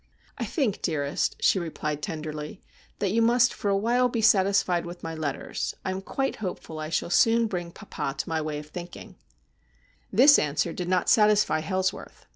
' I think, dearest,' she replied tenderly, ' that you must for a while be satisfied with my letters. I am quite hopeful I shall soon bring papa to my way of thinking.' THE BELL OL DOOM 257 This answer did not satisfy Hailsworth.